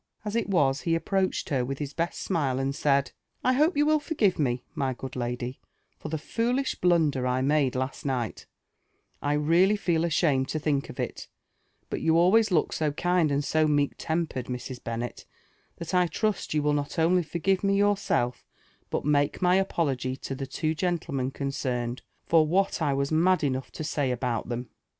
As it was, he approached her with his best smile, and said > "I hope you will forgive me, my good lady, for the foolbh blun der I made last night ;— I really feel ashamed to think of it : but you always look so kind and so meek tempered, Mrs. Beonel, that I trust you will not only forgive me yourself, but make my apology to the two gdntlemen concerned, for what I was mad enough to say about (hem."